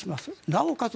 なおかつ